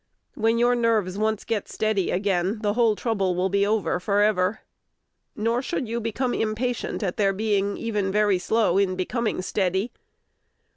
When your nerves once get steady now, the whole trouble will be over forever. Nor should you become impatient at their being even very slow in becoming steady.